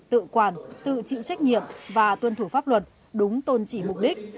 tự quản tự chịu trách nhiệm và tuân thủ pháp luật đúng tôn trị mục đích